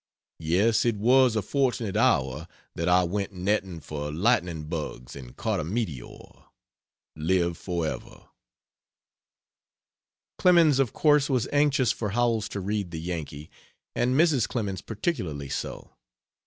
Yes, it was a fortunate hour that I went netting for lightning bugs and caught a meteor. Live forever!" Clemens, of course, was anxious for Howells to read The Yankee, and Mrs. Clemens particularly so.